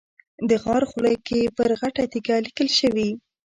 د غار خوله کې پر غټه تیږه لیکل شوي.